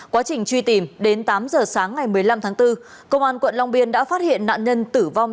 quá trình truy tìm đến tám giờ sáng ngày một mươi năm tháng bốn công an quận long biên đã phát hiện nạn nhân tử vong